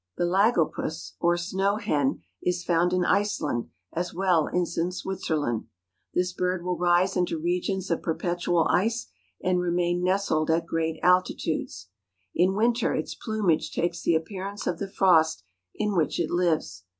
The lagopus, or snow hen, is found in Iceland as well in Switzerland. This bird will rise into regions of per¬ petual ice and remain nestled at great altitudes. In winter its plumage takes the appearance of the frost in which it lives.